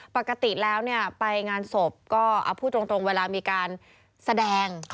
ปกติแล้วไปงานศพก็พูดตรงเวลามีการแสดง